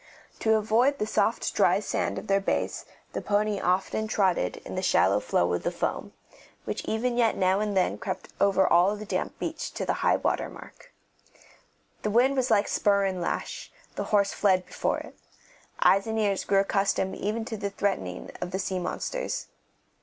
To avoid the soft dry sand of their base the pony often trotted in the shallow flow of the foam, which even yet now and then crept over all the damp beach to the high water mark. The wind was like spur and lash; the horse fled before it. Eyes and ears grew accustomed even to the threatening of the sea monsters.